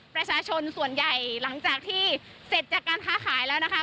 ประชาชนส่วนใหญ่หลังจากที่เสร็จจากการค้าขายแล้วนะคะ